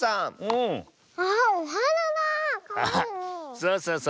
そうそうそう。